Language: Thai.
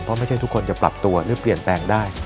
เพราะไม่ใช่ทุกคนจะปรับตัวหรือเปลี่ยนแปลงได้